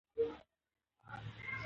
جبار : خېرت خو به وي نورګله